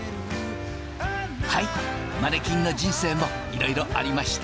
はいマネキンの人生もいろいろありましたね。